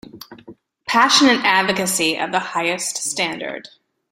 Passionate advocacy of the highest standard.